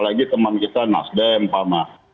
lagi teman kita nasdem pak mah